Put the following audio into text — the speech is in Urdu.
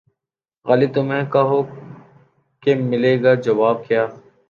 غالبؔ تمہیں کہو کہ ملے گا جواب کیا